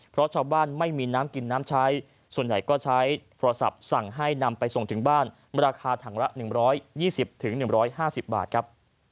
เพราะชาวบ้านไม่มีน้ำกลิ่นน้ำใช้ส่วนใหญ่ก็ใช้โปรสับสั่งให้นำไปส่งถึงบ้านราคาถังละหนึ่งร้อยยี่สิบถึงหนึ่งร้อยห้าสิบบาทครับ